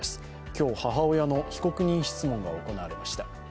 今日、母親の被告人質問が行われました。